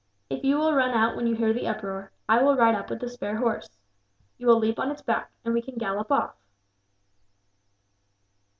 If you will run out when you hear the uproar, I will ride up with the spare horse. You will leap on to its back, and we can gallop off."